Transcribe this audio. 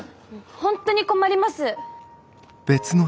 本当に困ります。